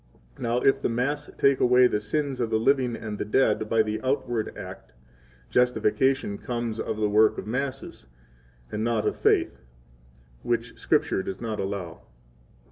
29 Now if the Mass take away the sins of the living and the dead by the outward act justification comes of the work of Masses, and not of faith, which Scripture does not allow.